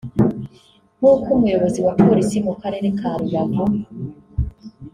nkuko umuyobozi wa Polisi mu karere ka Rubavu